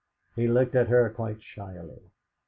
He looked at her quite shyly. '.